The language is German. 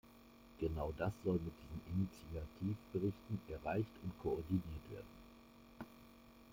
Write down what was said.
Genau das soll mit diesen Initiativberichten erreicht und koordiniert werden.